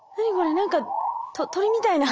何か鳥みたいな。